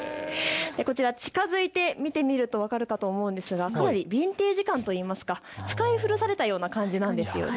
こちら、近づいて見てみると分かると思うんですが、かなりビンテージ感といいますか使い古された感じなんです。